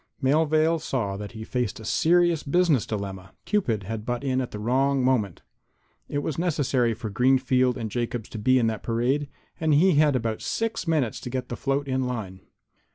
Melvale saw that he faced a serious business dilemma. Cupid had butt in at the wrong moment. It was necessary for Greenfield & Jacobs to be in that parade, and he had about six minutes to get the float in line.